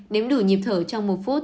đếm đủ nhịp thở trong một phút